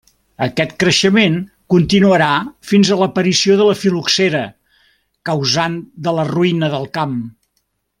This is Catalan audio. Aquest creixement continuarà fins a l'aparició de la fil·loxera, causant la ruïna del camp.